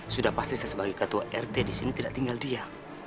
sudah pasti saya sebagai ketua rt di sini tidak tinggal dia